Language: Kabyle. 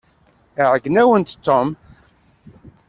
Iɛeyyen-awent Tom.